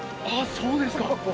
あそうですか。